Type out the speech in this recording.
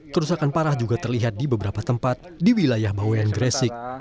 kerusakan parah juga terlihat di beberapa tempat di wilayah bawean gresik